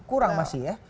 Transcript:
kurang masih ya